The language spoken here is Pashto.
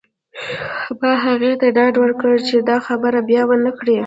ما هغې ته ډاډ ورکړ چې دا خبره بیا ونه کړې